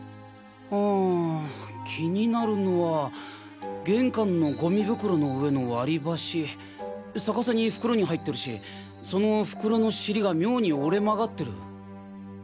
うん気になるのは玄関のゴミ袋の上の割り箸逆さに袋に入ってるしその袋の尻が妙に折れ曲がってる。